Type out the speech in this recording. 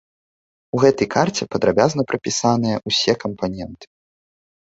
У гэтай карце падрабязна прапісаныя ўсё кампаненты.